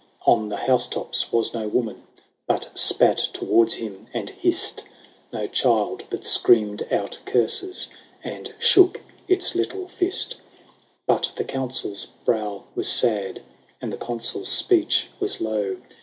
On the house tops was no woman But spat towards him and hissed ; No child but screamed out curses. And shook its little fist. XXVI. But the Consul's brow was sad. And the Consul's speech was low.